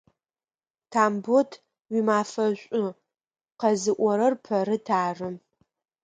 Тамбот, уимафэ шӏу, къэзыӏорэр Пэрыт ары!